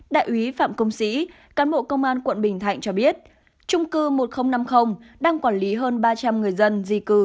đại úy phạm công sĩ cán bộ công an quận bình thạnh cho biết trung cư một nghìn năm mươi đang quản lý hơn ba trăm linh người dân di cư